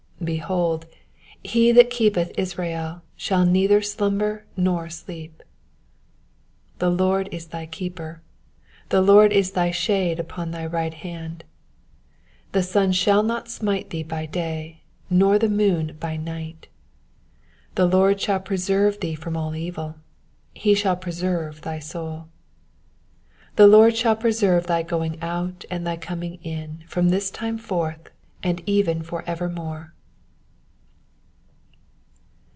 4 Behold, he that keepeth Israel shall neither slumber nor sleep. 5 The Lord is thy keeper: the Lord is thy shade upon thy right hand. 6 The sun shall not smite thee by day, nor the moon by night. 7 The Lord shall preserve thee from all evil : he shall preserve thy soul. 8 The Lord shall preserve thy going out and thy coming in from this time forth, and even for evermore.